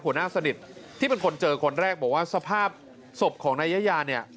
หัวหน้าสนิทที่เป็นคนเจอคนแรกบอกว่าสภาพศพของนายยาเนี่ย